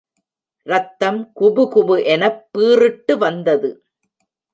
ரத்தம் குபுகுபு எனப் பீறிட்டுவந்தது.